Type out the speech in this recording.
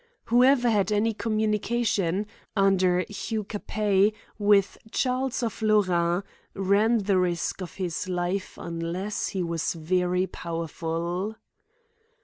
Whoever had any communication, under Hugh Capet, with Charles of Lorraine, ran the risk of his life unless he was very powerful.